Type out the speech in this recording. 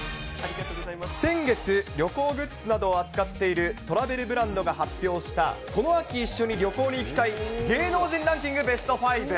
先月、旅行グッズなどを扱っているトラベルブランドが発表したこの秋一緒に旅行に行きたい芸能人ランキングベスト５。